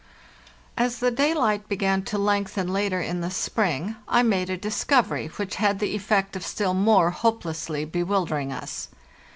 As the daylight began to lengthen later in the spring, I made a discovery which had the effect of still more hopelessly bewildering us.